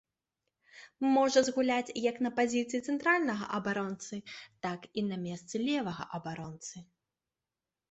Можа згуляць як на пазіцыі цэнтральнага абаронцы, так і на месцы левага абаронцы.